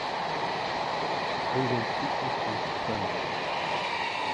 Moses took their case to God.